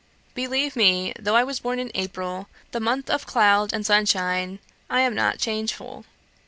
"Believe me, though I was born in April, the month of cloud and sunshine, I am not changeful.